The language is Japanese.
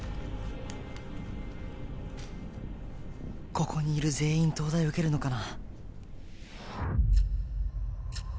ここにいる全員東大受けるのかな